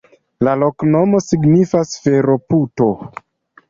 La loknomo signifas: fero-puto.